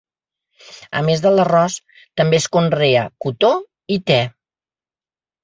A més de l'arròs, també es conrea cotó i te.